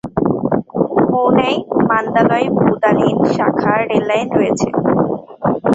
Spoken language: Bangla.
মৌন্যায় মান্দালয়-বুদালিন শাখা রেললাইন রয়েছে।